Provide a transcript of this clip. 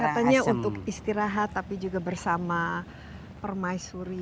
katanya untuk istirahat tapi juga bersama permaisuri